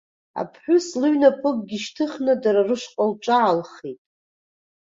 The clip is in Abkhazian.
Аԥҳәыс лыҩнапыкгьы шьҭыхны дара рышҟа лҿаалхеит.